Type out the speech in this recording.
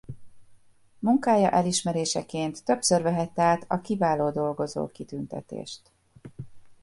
Munkája elismeréseként többször vehette át a Kiváló Dolgozó kitüntetést.